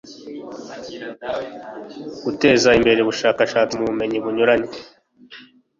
guteza imbere ubushakashatsi mu bumenyi bunyuranye